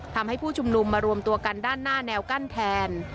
ผู้ชุมนุมมารวมตัวกันด้านหน้าแนวกั้นแทน